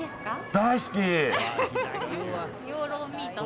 大好き！